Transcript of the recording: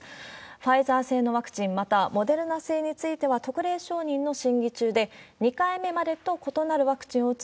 ファイザー製のワクチン、また、モデルナ製については特例承認の審議中で、２回目までと異なるワクチンを打つ